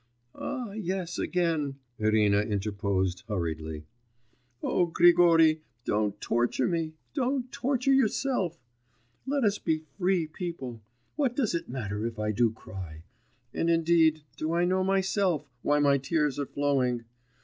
'Ah, yes, again,' Irina interposed hurriedly. 'O Grigory, don't torture me, don't torture yourself!... Let us be free people! What does it matter if I do cry! And indeed do I know myself why my tears are flowing?